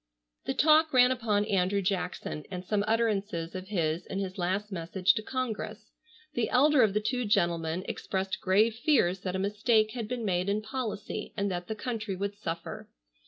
The talk ran upon Andrew Jackson, and some utterances of his in his last message to Congress. The elder of the two gentlemen expressed grave fears that a mistake had been made in policy and that the country would suffer.